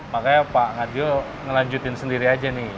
makanya pak ngah dio melanjutkan sendiri aja nih